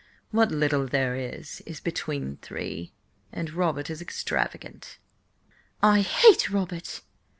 What little there is is between three. And Robert is extravagant." "I hate Robert!"